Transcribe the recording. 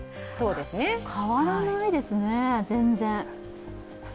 変わらないですね、全然。